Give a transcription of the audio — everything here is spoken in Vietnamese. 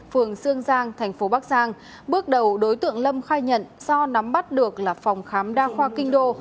phường sương giang thành phố bắc giang bước đầu đối tượng lâm khai nhận do nắm bắt được là phòng khám đa khoa kinh đô